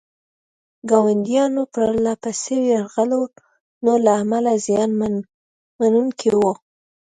ګاونډیانو پرله پسې یرغلونو له امله زیان منونکي وو.